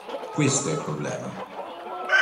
Questo è il problema".